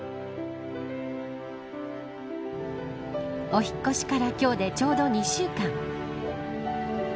お引っ越しから今日でちょうど２週間。